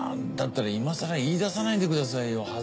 だったら今更言い出さないでくださいよ。